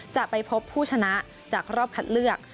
จะไปพบผู้ชนะจากรอบคัดเลือก